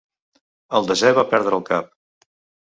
El desè va perdre el cap.